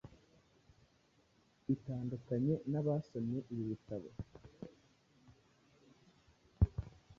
Itandukanye nabasomye ibi Bitabo!